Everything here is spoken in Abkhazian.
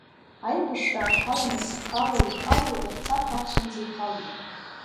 Аибашьраан ҳаламыс хало-ихало Ерцахә ақәцәанӡа ихалеит.